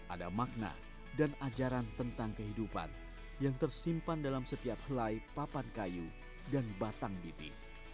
ada makna dan ajaran tentang kehidupan yang tersimpan dalam setiap helai papan kayu dan batang bibi